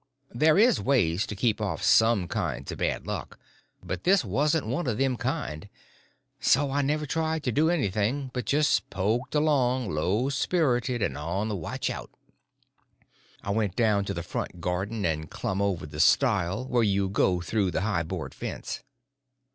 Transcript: There is ways to keep off some kinds of bad luck, but this wasn't one of them kind; so I never tried to do anything, but just poked along low spirited and on the watch out. I went down to the front garden and clumb over the stile where you go through the high board fence.